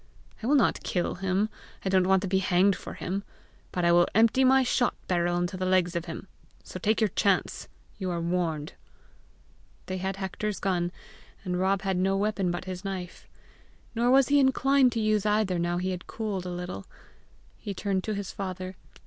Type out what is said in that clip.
"I will not kill him; I don't want to be hanged for him! but I will empty my shot barrel into the legs of him! So take your chance; you are warned!" They had Hector's gun, and Rob had no weapon but his knife. Nor was he inclined to use either now he had cooled a little. He turned to his father.